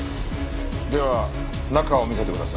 では中を見せてください。